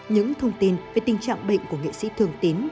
những thông tin về tình trạng bệnh của nghệ sĩ thường tín